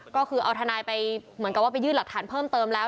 ก็คือเอาทนายไปเหมือนกับว่าไปยื่นหลักฐานเพิ่มเติมแล้ว